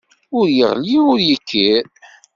Ur yeɣli, ur yekkir.